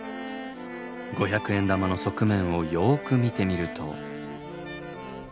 五百円玉の側面をよく見てみると。